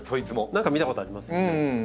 何か見たことありますよね。